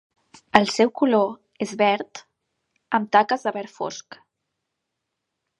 El seu color és verd amb taques de verd fosc.